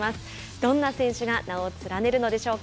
どんな選手が名を連ねるのでしょうか。